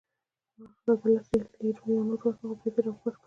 ما هغه ته د لسو لیرو یو نوټ ورکړ، خو بیرته يې راواپس کړ.